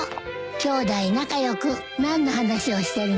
きょうだい仲良く何の話をしてるの？